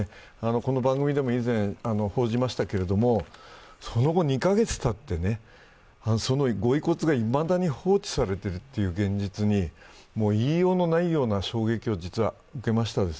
この番組でも以前報じましたけれども、その後２カ月たって、そのご遺骨がいまだに放置されているという現実に言いようのないような衝撃を受けました。